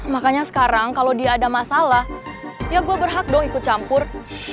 makanya sekarang kalau dia ada masalah ya gue berhak dong ikut campur